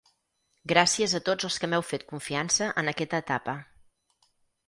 Gràcies a tots els que m’heu fet confiança en aquesta etapa.